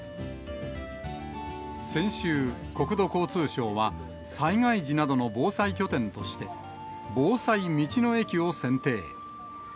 先週、国土交通省は災害時などの防災拠点として、防災道の駅を選定。